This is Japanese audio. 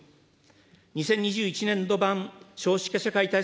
２０２１年度版少子化社会対策